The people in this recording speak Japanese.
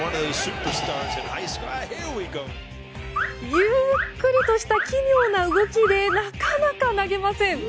ゆっくりとした奇妙な動きでなかなか投げません。